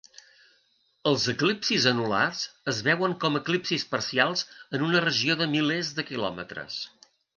Els eclipsis anulars es veuen com eclipsis parcials en una regió de milers de quilòmetres.